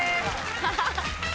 ハハハ！